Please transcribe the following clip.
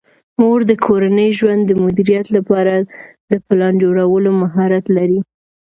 مور د کورني ژوند د مدیریت لپاره د پلان جوړولو مهارت لري.